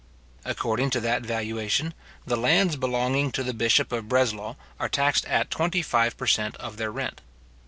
According to that valuation, the lands belonging to the bishop of Breslaw are taxed at twenty five per cent. of their rent.